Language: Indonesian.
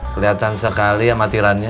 keliatan sekali ya matilannya